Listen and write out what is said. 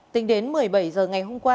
tính đến một mươi bảy h ngày hôm qua